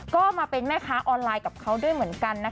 ก็มาเป็นแม่ค้าออนไลน์กับเขาด้วยเหมือนกันนะคะ